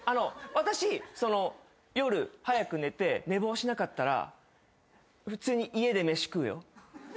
私夜早く寝て寝坊しなかったら普通に家で飯食うよ。